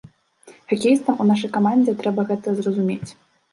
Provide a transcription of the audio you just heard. Хакеістам у нашай камандзе трэба гэта зразумець.